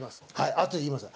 あとで言います。